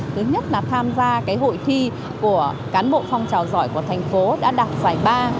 thứ nhất là tham gia hội thi của cán bộ phong trào giỏi của thành phố đã đạt giải ba